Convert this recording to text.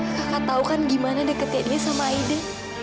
kakak tau kan gimana deketnya sama aida